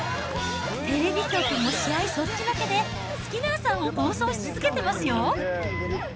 テレビ局も試合そっちのけでスキナーさんを放送し続けてますよ。